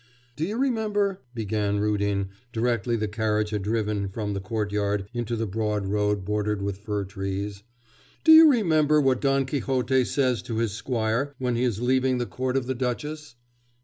'Do you remember,' began Rudin, directly the carriage had driven from the courtyard into the broad road bordered with fir trees, 'do you remember what Don Quixote says to his squire when he is leaving the court of the duchess?